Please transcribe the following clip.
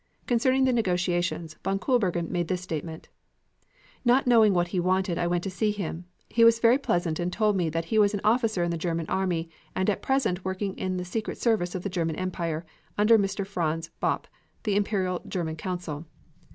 Concerning the negotiations, van Koolbergen made this statement: "Not knowing what he wanted I went to see him. He was very pleasant and told me that he was an officer in the German army and at present working in the secret service of the German Empire under Mr. Franz Bopp, the Imperial German consul.